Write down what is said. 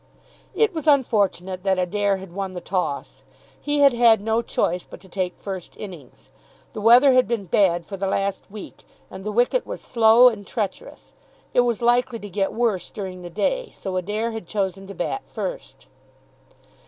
It was unfortunate that Adair had won the toss. He had had no choice but to take first innings. The weather had been bad for the last week, and the wicket was slow and treacherous. It was likely to get worse during the day, so Adair had chosen to bat first.